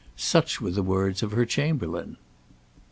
Such were the words of her chamberlain.